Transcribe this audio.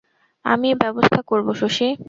আমিই ব্যবস্থা করব শশী।